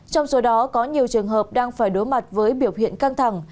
trong số đó có nhiều trường hợp đang phải đối mặt với biểu hiện căng thẳng